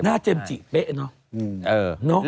น่ะเจมส์จีเป๊ะน่ะ